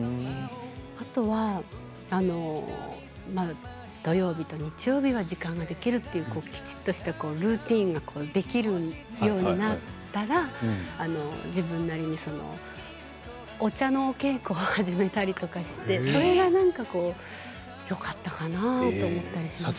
あとは土曜日と日曜日は時間ができるというきちんとしたルーティンができるようになったら自分なりにお茶のお稽古を始めたりしてそれが、なんかよかったかなと思ったりします。